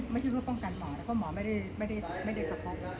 ไม่ใช่เพื่อป้องกันหมอแล้วก็หมอไม่ได้กระทบ